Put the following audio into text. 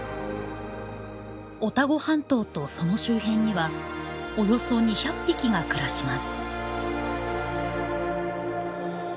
オタゴ半島とその周辺にはおよそ２００匹が暮らします。